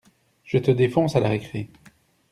Je te défonce à la récré.